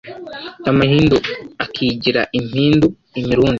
Amahindu akigira impindu Imirundi